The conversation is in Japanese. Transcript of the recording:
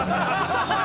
ハハハハ！